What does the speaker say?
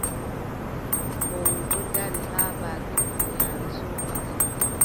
Fowru ɗon dari haa baakin huunyaare soofata.